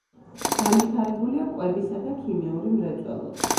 განვითარებულია კვებისა და ქიმიური მრეწველობა.